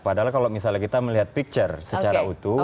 padahal kalau misalnya kita melihat picture secara utuh